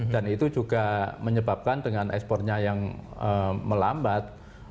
dan itu juga menyebabkan dengan ekspornya yang melambat